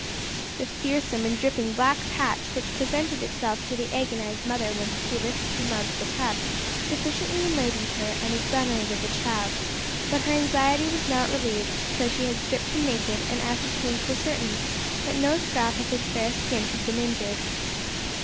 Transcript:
The fearsome and dripping black patch which presented itself to the agonised mother when she lifted him out of the tub sufficiently enlightened her and exonerated the child, but her anxiety was not relieved till she had stripped him naked and ascertained for certain that no scrap of his fair skin had been injured.